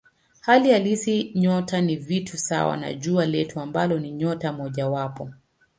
Hali halisi nyota ni vitu sawa na Jua letu ambalo ni nyota mojawapo.